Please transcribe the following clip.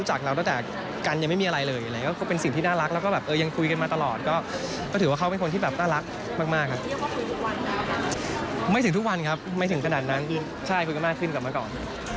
ใช่คุยกันมากขึ้นกับเมื่อก่อน